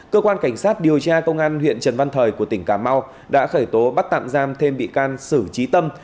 cơ quan cảnh sát điều tra công an huyện trần văn thời của tỉnh cà mau đã khởi tố bắt tạm giam thêm bị can sử trí tâm